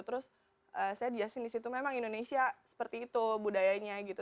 terus saya dijasin disitu memang indonesia seperti itu budayanya gitu